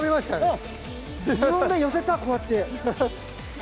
あっ自分で寄せたこうやって。